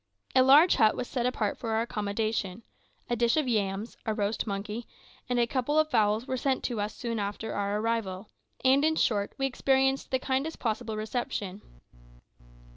A large hut was set apart for our accommodation; a dish of yams, a roast monkey, and a couple of fowls were sent to us soon after our arrival, and, in short, we experienced the kindest possible reception.